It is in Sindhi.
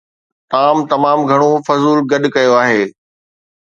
ٽام تمام گهڻو فضول گڏ ڪيو آهي.